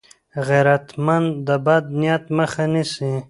غیرتمند د بد نیت مخه نیسي